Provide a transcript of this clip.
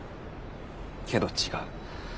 けど違う。